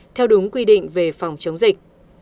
theo đúng quy định về phòng chống dịch